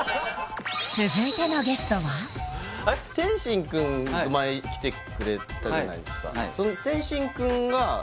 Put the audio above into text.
続いてのゲストはあれ天心くんと前来てくれたじゃないですか